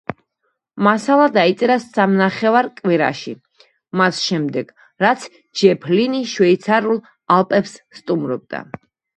მასალა დაიწერა სამ ნახევარ კვირაში, მას შემდეგ, რაც ჯეფ ლინი შვეიცარიულ ალპებს სტუმრობდა.